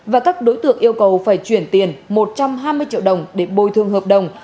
và các đối tượng yêu cầu phải chuyển tiền một trăm hai mươi triệu đồng để bồi thương hợp đồng